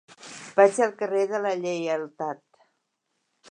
Vaig al carrer de la Lleialtat.